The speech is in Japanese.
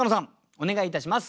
お願いいたします。